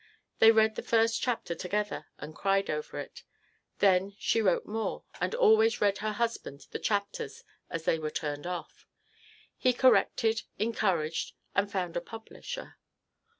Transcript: They read the first chapter together and cried over it. Then she wrote more and always read her husband the chapters as they were turned off. He corrected, encouraged, and found a publisher.